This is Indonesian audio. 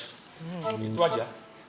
ya gitu aja